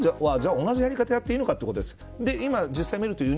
じゃあ日本で同じやり方をやっていいのかということです。